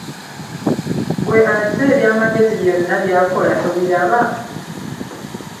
Ggwe ate eby'amagezi byonna by'akola, tobiraba?